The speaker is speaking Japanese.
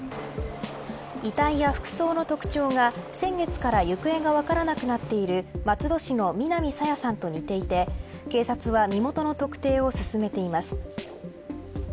遺体や服装の特徴が先月から行方が分からなくなっている松戸市の南朝芽さんと似ていて警察は身元の特定を進めています。